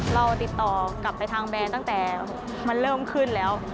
เราติดต่อกลับไปทางแบรนด์ตั้งแต่มันเริ่มขึ้นแล้ว